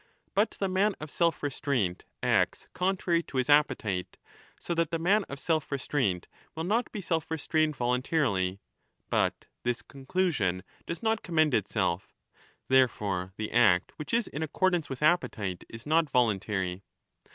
But the man of self restraint acts contrary to his appetite. So that the man of self restraint will not be self restrained voluntarily. But this conclusion does not commend itself. Therefore the act which is in accordance with appetite is not voluntary.